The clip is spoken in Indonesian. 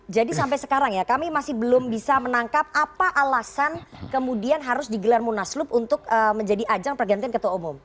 jadi sampai sekarang ya kami masih belum bisa menangkap apa alasan kemudian harus digelar munas lo untuk menjadi ajang pergantian ketua umum